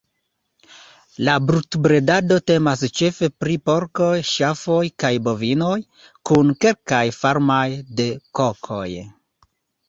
La brutobredado temas ĉefe pri porkoj, ŝafoj kaj bovinoj, kun kelkaj farmoj de kokoj.